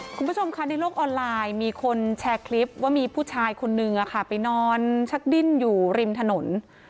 คุณผู้ชมค่ะในโลกออนไลน์มีคนแชร์คลิปว่ามีผู้ชายคนนึงไปนอนชักดิ้นอยู่ริมถนน